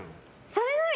されない？